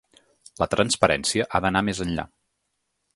La transparència ha d’anar més enllà.